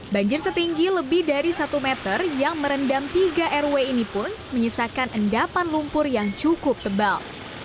banjir setinggi lebih dari satu meter yang merendam tiga rw ini pun menyisakan endapan lumpur yang cukup tebal